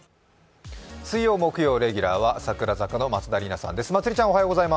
水曜、木曜レギュラーは櫻坂４６の松田さんです。